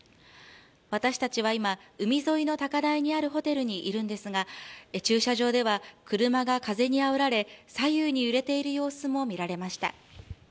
私たちは今、海沿いの高台にあるホテルにいるんでが、駐車場では車が風にあおられ左右に揺れている様子も見られました。